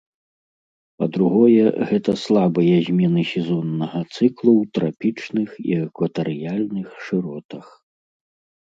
Па-другое, гэта слабыя змены сезоннага цыклу ў трапічных і экватарыяльных шыротах.